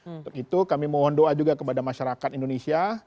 untuk itu kami mohon doa juga kepada masyarakat indonesia